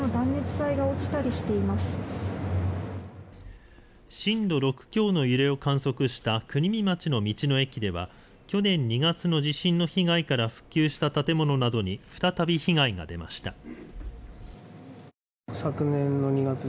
震度６強の揺れを観測した国見町の道の駅では去年２月の地震の被害から復旧した建物などに再び被害が出ました。